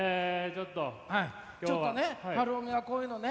ちょっとね晴臣はこういうのね